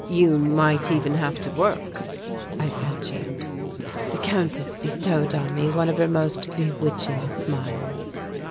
"You might even have to work," I ventured. The Countess bestowed on me one of her most bewitching smiles.